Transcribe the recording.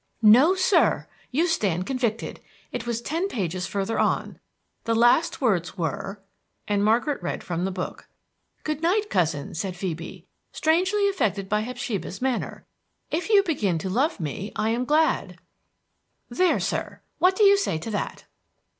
"No, sir! You stand convicted. It was ten pages further on. The last words were," and Margaret read from the book, "'Good night, cousin,' said Phoebe, strangely affected by Hepsibah's manner. 'If you being to love me, I am glad.'" "There, sir! what do you say to that?"